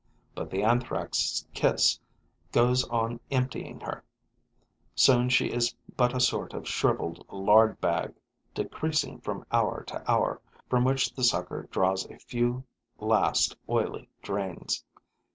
But the Anthrax' kiss goes on emptying her: soon she is but a sort of shriveled lard bag, decreasing from hour to hour, from which the sucker draws a few last oily drains.